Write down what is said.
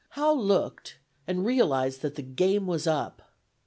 Howe looked, and realized that the game was up.